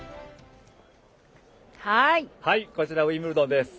こちらウィンブルドンです。